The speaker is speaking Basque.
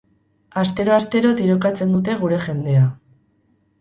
Astero-astero tirokatzen dute gure jendea.